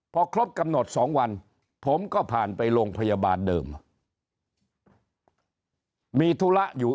พอครบกำหนด๒วันผมก็ผ่านไปโรงพยาบาลเดิมมีธุระอยู่